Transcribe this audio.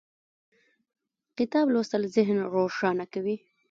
کتاب لوستل ذهن روښانه کوي